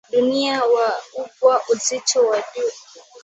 dunia wa wba uzito wa juu